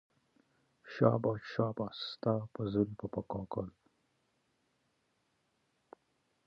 شاباش شاباش شاباش ستا په زلفو په كاكل